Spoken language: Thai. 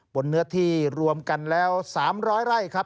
เนื้อที่รวมกันแล้ว๓๐๐ไร่ครับ